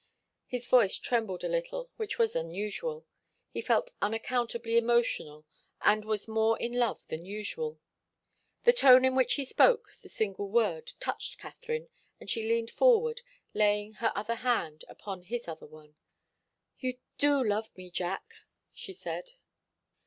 His voice trembled a little, which was unusual. He felt unaccountably emotional and was more in love than usual. The tone in which he spoke the single word touched Katharine, and she leaned forward, laying her other hand upon his other one. "You do love me, Jack," she said.